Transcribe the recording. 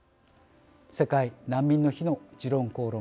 世界難民の日の「時論公論」